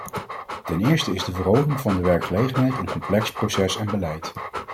Ten eerste is de verhoging van de werkgelegenheid een complex proces en beleid.